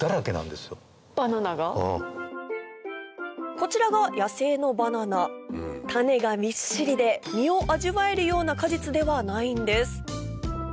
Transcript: こちらが野生のバナナ種がみっしりで実を味わえるような果実ではないんです